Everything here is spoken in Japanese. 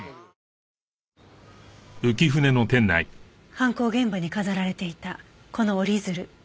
犯行現場に飾られていたこの折り鶴。